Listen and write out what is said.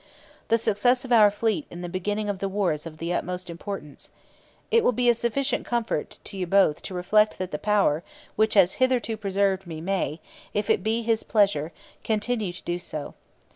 'The success of our fleet in the beginning of the war is of the utmost importance.' 'It will be sufficient comfort to you both to reflect that the Power which has hitherto preserved me may, if it be His pleasure, continue to do so.